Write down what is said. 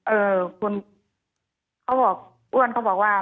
เอ่อคุณเขาบอกอ้วนเขาบอกว่า